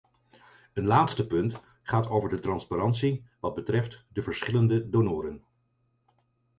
Een laatste punt gaat over de transparantie wat betreft de verschillende donoren.